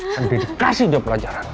kan dede kasih dia pelajaran